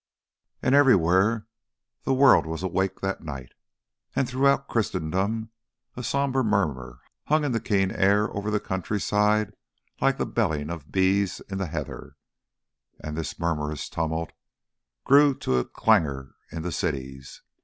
And everywhere the world was awake that night, and throughout Christendom a sombre murmur hung in the keen air over the countryside like the belling of bees in the heather, and this murmurous tumult grew to a clangour in the cities.